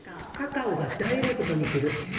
カカオがダイレクトにくる。